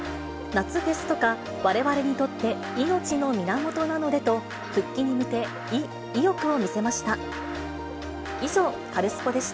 夏フェスとか、われわれにとって命の源なのでと、復帰に向け、意欲を見せました。